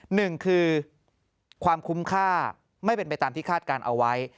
หนึ่งคือความคุ้มค่าไม่เป็นไปตามที่คาดการณ์เอาไว้